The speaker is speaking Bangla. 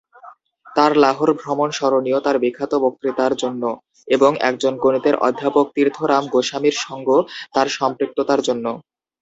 তার লাহোর ভ্রমণ স্মরণীয় তার বিখ্যাত বক্তৃতার জন্য এবং একজন গণিতের অধ্যাপক তীর্থ রাম গোস্বামীর সঙ্গ তার সম্পৃক্ততার জন্য।